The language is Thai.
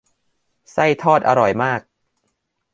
ไส้ทอดอร่อยมาก